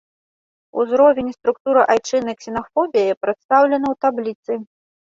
Узровень і структура айчыннай ксенафобіі прадстаўлены ў табліцы.